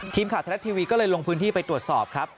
ทีมข่าวไทยรัฐทีวีก็เลยลงพื้นที่ไปตรวจสอบครับ